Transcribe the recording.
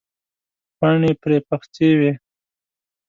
پاڼې پر پخڅې وې.